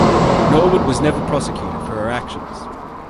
Norwood was never prosecuted for her actions.